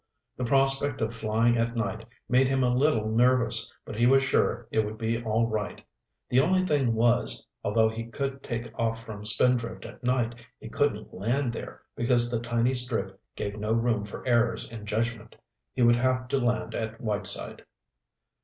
The prospect of flying at night made him a little nervous, but he was sure it would be all right. The only thing was, although he could take off from Spindrift at night he couldn't land there, because the tiny strip gave no room for errors in judgment. He would have to land at Whiteside.